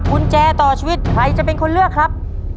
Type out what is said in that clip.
กุญแจต่อชีวิตใครจะเป็นคนเลือกครับ